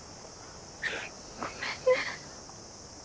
ごめんね。